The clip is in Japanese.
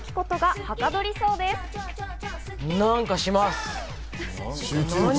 何かします。